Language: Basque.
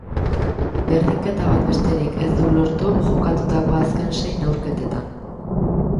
Berdinketa bat besterik ez du lortu jokatutako azken sei neurketetan.